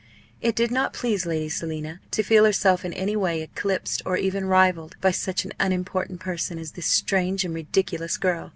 It did not please Lady Selina to feel herself in any way eclipsed or even rivalled by such an unimportant person as this strange and ridiculous girl.